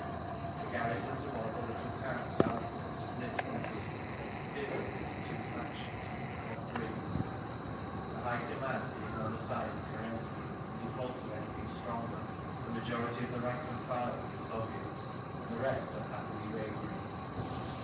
The garrisons of all the little towns southward had split hopelessly, bitterly into two factions—or three: the high command being on the side of Kerensky, in default of anything stronger, the majority of the rank and file with the Soviets, and the rest unhappily wavering.